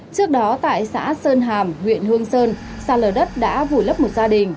trước đó tại xã sơn hàm huyện hương sơn sạt lở đất đã vùi lấp một gia đình